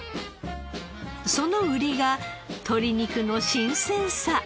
その売りが鶏肉の新鮮さ。